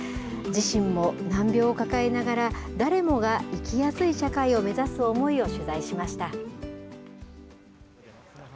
自身も難病を抱えながら、誰もが生きやすい社会を目指す思いを取材しました。